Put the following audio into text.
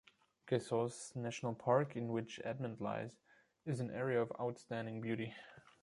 Gesause National Park, in which Admont lies, is an area of outstanding beauty.